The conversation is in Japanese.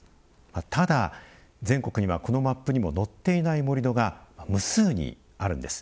ただ全国にはこのマップにも載っていない盛土が無数にあるんです。